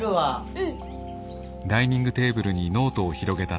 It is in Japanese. うん。